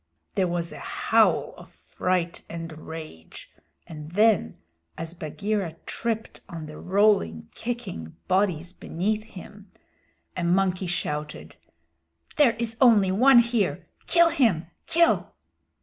There was a howl of fright and rage, and then as Bagheera tripped on the rolling kicking bodies beneath him, a monkey shouted: "There is only one here! Kill him! Kill."